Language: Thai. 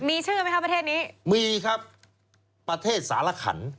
มีชื่อไหมคะประเทศนี้มีครับประเทศสารขัน